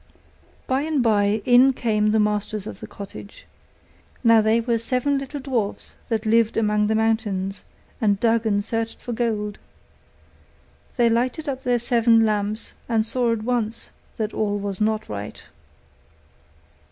By and by in came the masters of the cottage. Now they were seven little dwarfs, that lived among the mountains, and dug and searched for gold. They lighted up their seven lamps, and saw at once that all was not right.